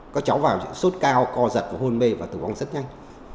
các cháu vào sốt cao co giật hôn mê và tử vong rất nhanh